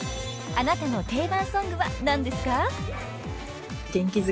［あなたの定番ソングは何ですか？］